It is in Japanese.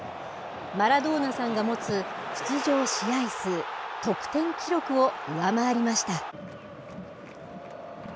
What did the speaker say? マラドーナさんが持つ出場試合数、得点記録を上回りました。